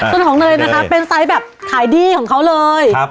ส่วนของเนยนะคะเป็นไซส์แบบขายดีของเขาเลย